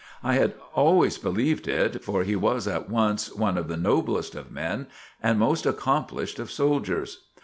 I had always believed it, for he was at once one of the noblest of men and most accomplished of soldiers.